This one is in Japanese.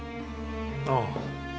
ああ。